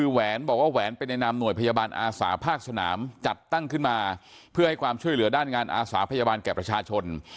แหวนบอกว่าแหวนเป็นในนามหน่วยพยาบาลอาสาภาคสนามจัดตั้งขึ้นมาเพื่อให้ความช่วยเหลือด้านงานอาสาพยาบาลแก่ประชาชน